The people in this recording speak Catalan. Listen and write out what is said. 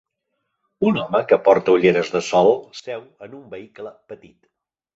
Un home que porta olleres de sol seu en un vehicle petit